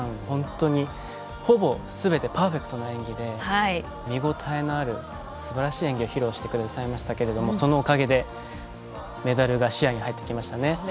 本当にほぼすべてパーフェクトな演技で見応えのあるすばらしい演技を披露してくださいましたけれどもそのおかげでメダルが視野に入ってきましたね。